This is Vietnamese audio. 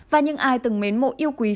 và những ai từng mến mộ yêu quý phi nhu